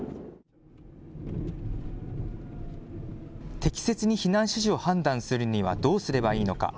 適切に避難指示を判断するにはどうすればいいのか。